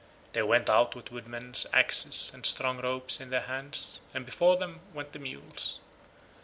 They went out with woodmen's axes and strong ropes in their hands, and before them went the mules.